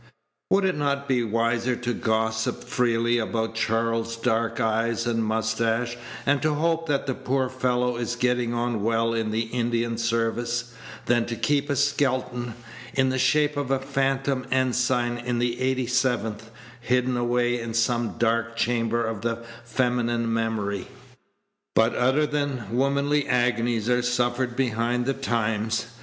Would it not Page 172 be wiser to gossip freely about Charles' dark eyes and mustache, and to hope that the poor fellow is getting on well in the Indian service, than to keep a skeleton, in the shape of a phantom ensign in the 87th, hidden away in some dark chamber of the feminine memory? But other than womanly agonies are suffered behind the Times.